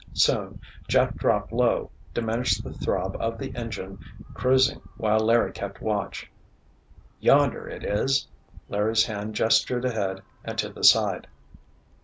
Soon Jeff dropped low, diminished the throb of the engine, cruising while Larry kept watch. "Yonder it is!" Larry's hand gestured ahead and to the side.